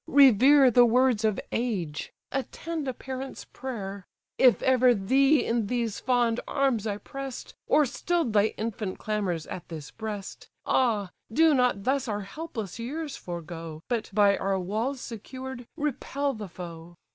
revere The words of age; attend a parent's prayer! If ever thee in these fond arms I press'd, Or still'd thy infant clamours at this breast; Ah do not thus our helpless years forego, But, by our walls secured, repel the foe.